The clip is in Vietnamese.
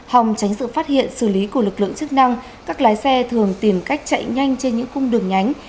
hòng tránh sự phát hiện xử lý của lực lượng chức năng các lái xe thường tìm cách chạy nhanh trên những cung đường nhánh